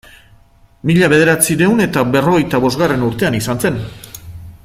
Mila bederatziehun eta berrogeita bosgarren urtean izan zen.